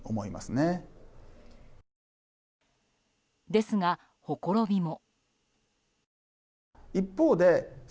ですが、ほころびも。